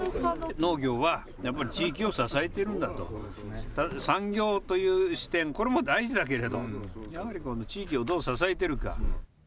農業はやっぱり地域を支えているんだと、産業という視点、これも大事だけれど、やはりこの地域をどう支えているか。